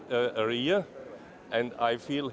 dan saya merasa di sini